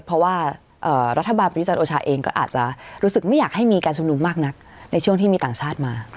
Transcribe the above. เพราะว่ารัฐบาลประยุจันทร์โอชาเองก็อาจจะรู้สึกไม่อยากให้มีการชุมนุมมากนักในช่วงที่มีต่างชาติมา